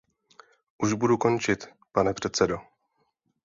Už budu končit, pane předsedo.